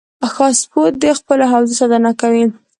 سپو د خپلو حوزو ساتنه کوي.